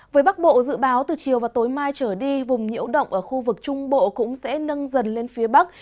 với bắc bộ dự báo từ chiều và tối mai trở đi vùng nhiễu động ở khu vực trung bộ cũng sẽ nâng dần lên phía bắc